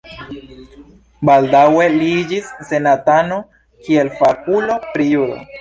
Baldaŭe li iĝis senatano kiel fakulo pri juro.